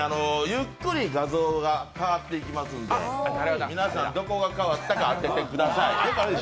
ゆっくり画像が変わっていきますんで皆さん、どこが変わったか当ててください。